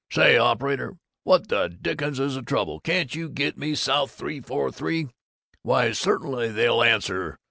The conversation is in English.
Say, operator, what the dickens is the trouble? Can't you get me South 343? Why certainly they'll answer.